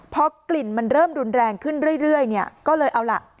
พอกลิ่นมันเริ่มรุนแรงขึ้นเรื่อยเนี่ยก็เลยเอาล่ะ